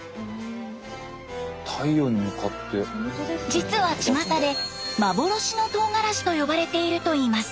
実はちまたで幻のとうがらしと呼ばれているといいます。